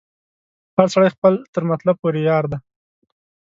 هر سړی خپل تر مطلب پوري یار دی